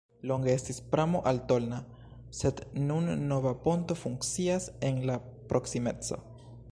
Longe estis pramo al Tolna, sed nun nova ponto funkcias en la proksimeco.